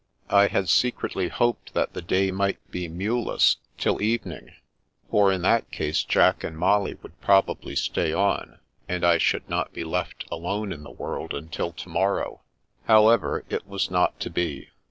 I had secretly hoped that the day might be mule less till evening, for in that case Jack and Molly would probably stay on, and I should not be left alone in the world until to morrow. However, it was not to be.